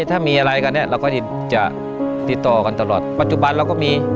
ถ้ามีอะไรกันเนี่ยเราก็จะติดต่อกันตลอดปัจจุบันเราก็มี